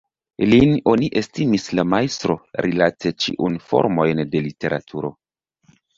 Lin oni estimis la majstro rilate ĉiun formojn de literaturo.